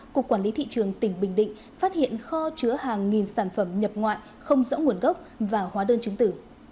cục quản lý thị trường tỉnh bình định phát hiện kho chứa hàng nghìn sản phẩm nhập ngoại không rõ nguồn gốc và hóa đơn chứng tử